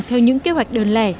theo những kế hoạch đơn lẻ